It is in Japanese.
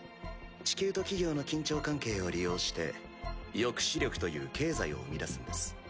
地球と企業の緊張関係を利用して抑止力という経済を生み出すんです。